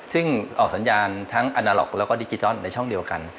ซึ่งออกสัญญาณทั้งอนาล็อกแล้วก็ดิจิทัลในช่องเดียวกัน